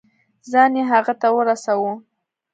ځان يې هغه ته ورساوه.